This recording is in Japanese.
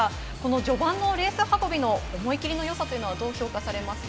序盤のレース運びの思い切りのよさというのは、どう評価されますか？